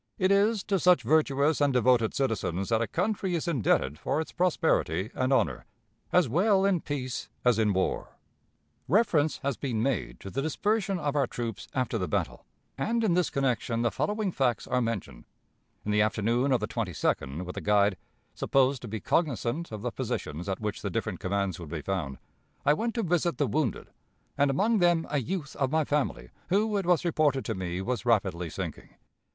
It is to such virtuous and devoted citizens that a country is indebted for its prosperity and honor, as well in peace as in war. Reference has been made to the dispersion of our troops after the battle, and in this connection the following facts are mentioned: In the afternoon of the 22d, with a guide, supposed to be cognizant of the positions at which the different commands would be found, I went to visit the wounded, and among them a youth of my family, who, it was reported to me, was rapidly sinking.